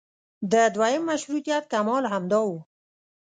د دویم مشروطیت کمال همدا و.